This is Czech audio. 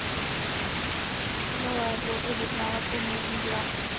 Zhlédlo je bezmála půl milionu diváků.